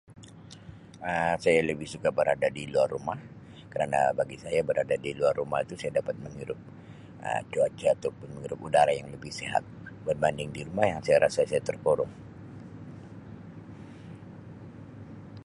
Um Saya lebih suka berada di luar rumah kerana bagi saya berada di luar rumah tu saya dapat menghirup Um cuaca ataupun menghirup udara yang lebih sihat berbanding di rumah yang saya rasa saya terkurung.